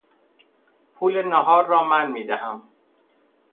پول ناهار را من میدهم.